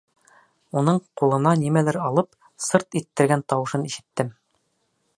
Уның ҡулына нимәлер алып, сырт иттергән тауышын ишеттем.